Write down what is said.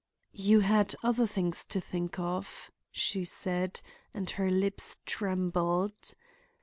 "You had other things to think of," she said, and her lips trembled.